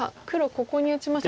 ここに打ちました。